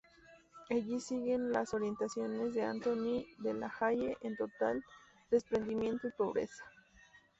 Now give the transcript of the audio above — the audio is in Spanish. Allí sigue las orientaciones de Antoine de la Haye en total desprendimiento y pobreza.